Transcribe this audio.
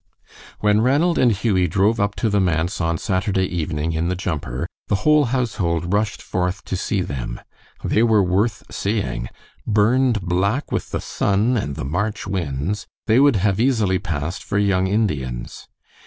When Ranald and Hughie drove up to the manse on Saturday evening in the jumper the whole household rushed forth to see them. They were worth seeing. Burned black with the sun and the March winds, they would have easily passed for young Indians.